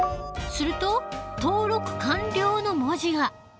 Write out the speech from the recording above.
すると「登録完了」の文字が。